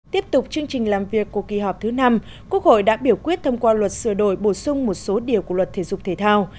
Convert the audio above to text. tiếp tục chương trình làm việc của kỳ họp thứ năm quốc hội đã biểu quyết thông qua luật sửa đổi bổ sung một số điều của luật thể dục thể thao